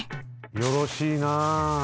よろしいな。